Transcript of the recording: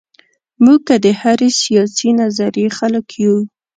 موږ که د هرې سیاسي نظریې خلک یو.